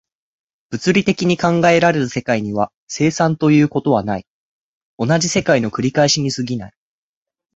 物理的に考えられる世界には、生産ということはない、同じ世界の繰り返しに過ぎない。